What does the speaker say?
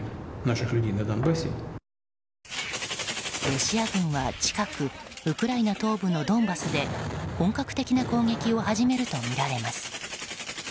ロシア軍は近くウクライナ東部のドンバスで本格的な攻撃を始めるとみられます。